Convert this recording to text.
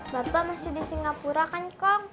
bapak masih di singapura kan kok